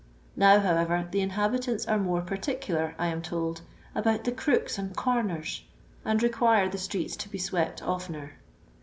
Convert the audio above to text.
Now, however, the inhabitants are more particular, I am told, '' about the crooks and comers," and require the itreets to be swept oftener.